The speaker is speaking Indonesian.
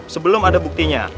sebelum ada buktinya